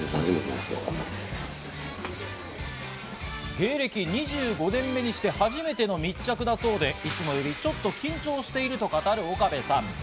芸歴２５年目にして初めての密着だそうで、いつもよりちょっと緊張していると語る岡部さん。